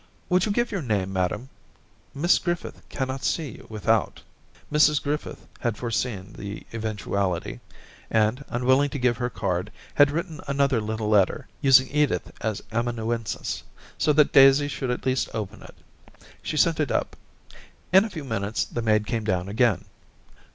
* Would you give your name, madam 'i Miss Griffith cannot see you without' Mrs Griffith had foreseen the eventuality, and, unwilling to give her card, had written another little letter, using Edith as amanu ensis, so that Daisy should at least open it. She sent it up. In a few minutes the maid came down again.